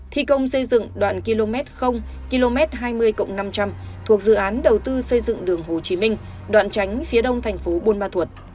thi công xây dựng đoạn km hai mươi năm trăm linh thuộc dự án đầu tư xây dựng đường hồ chí minh đoạn tránh phía đông thành phố buôn ma thuột